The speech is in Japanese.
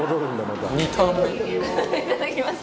いただきます。